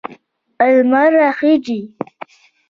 لمر راخیږي